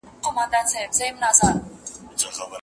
د شاګردانو شمېر د پوهنتون په اصولو پوري تړاو لري.